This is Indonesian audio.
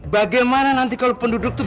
bagaimana nanti kalau penduduk itu